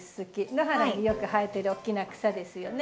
野原によく生えてる大きな草ですよね。